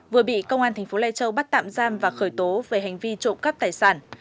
vừa bị công an thành phố lai châu bắt tạm giam và khởi tố về hành vi trộm cắp tài sản